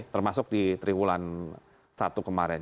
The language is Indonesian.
termasuk di triwulan satu kemarin